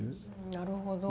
なるほど。